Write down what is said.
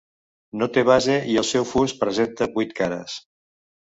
No té base i el seu fust presenta vuit cares.